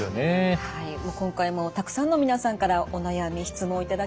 今回もたくさんの皆さんからお悩み質問を頂きました。